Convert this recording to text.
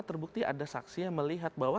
terbukti ada saksi yang melihat bahwa